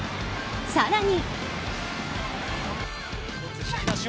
さらに。